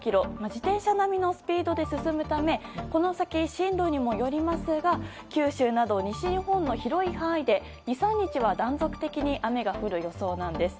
自転車並みのスピードで進むためこの先、進路にもよりますが九州など西日本の広い範囲で２３日は断続的に雨が降る予想なんです。